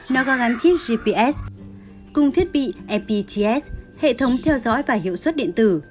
nó có gắn chip gps cung thiết bị fpts hệ thống theo dõi và hiệu suất điện tử